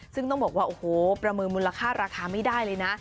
ซึ่งต้องบอกว่าโอ้โหประเมินมูลค่าราคาไม่ได้เลยนะ